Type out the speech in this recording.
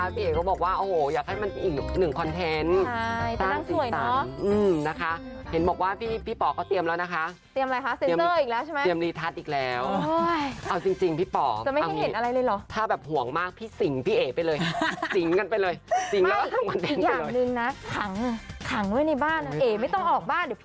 ต้องดูมากเลยแล้วคุณผู้ตอบด้วยนะคะเรียกบอกว่า